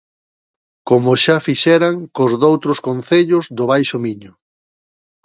Como xa fixeran cos doutros concellos do Baixo Miño.